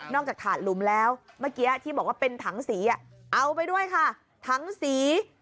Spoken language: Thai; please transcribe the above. จากถาดหลุมแล้วเมื่อกี้ที่บอกว่าเป็นถังสีเอาไปด้วยค่ะถังสี